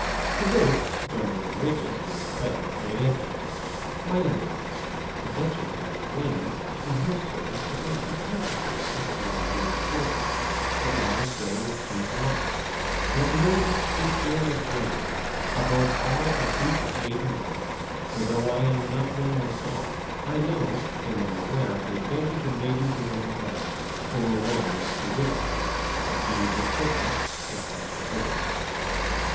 To this Dona Rodriguez, who was present, made answer, "My lady the duchess has duennas in her service that might be countesses if it was the will of fortune; 'but laws go as kings like;' let nobody speak ill of duennas, above all of ancient maiden ones; for though I am not one myself, I know and am aware of the advantage a maiden duenna has over one that is a widow; but 'he who clipped us has kept the scissors.